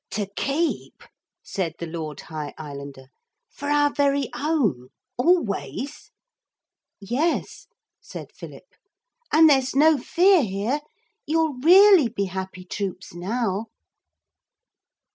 'To keep?' said the Lord High Islander; 'for our very own? Always?' 'Yes,' said Philip. 'And there's no fear here. You'll really be "happy troops" now.'